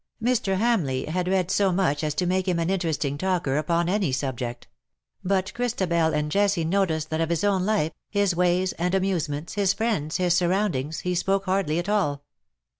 Mr. Hamleigh had read so much as to make him an interesting talker upon any subject; but Cliris tabel and Jessie noticed that of his own life, his ways and amusements, his friends, his surroundings, he spoke hardly at all.